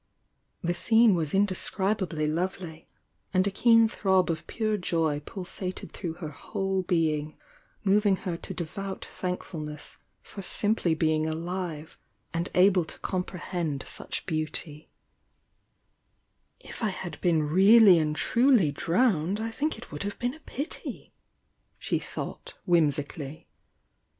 The scene was indescribably lovely, and a keen throb of pure joy pulsated through her whole being, moving her to devout thankfulness for simply being alive, . and able to comprehend such beauty. 122 THE YOUNG DIANA "If I had been really and truly drowned I think it would have been a pity!" she thought, whimsically.